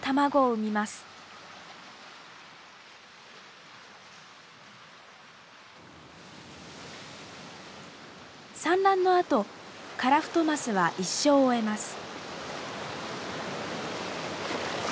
産卵のあとカラフトマスは一生を終えます。